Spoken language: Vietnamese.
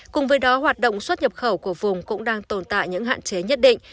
cùng với đó hoạt động xuất nhập khẩu của vùng cũng đang tồn tại những hạn chế nhất định